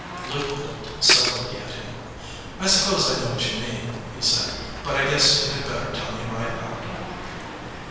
Luke looked soberly at him. "I suppose I know what you mean," he said, "but I guess you had better tell me right out."